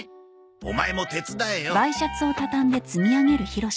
オマエも手伝えよ。